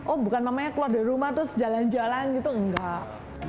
oh bukan mamanya keluar dari rumah terus jalan jalan gitu enggak